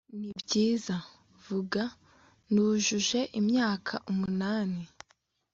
nibyiza vuba, nujuje imyaka umunani